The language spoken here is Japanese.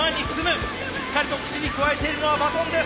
しっかりと口にくわえているのはバトンです。